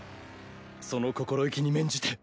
その心意気に免じて。